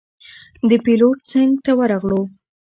د پېلوټ څنګ ته ورغلو.